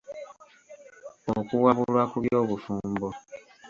Okuwabulwa ku by’obufumbo?